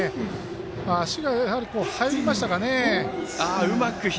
足が入りましたね。